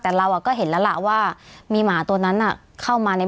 แต่เราก็เห็นแล้วล่ะว่ามีหมาตัวนั้นเข้ามาใน